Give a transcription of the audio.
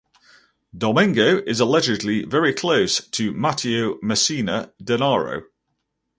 Domingo is allegedly very close to Matteo Messina Denaro.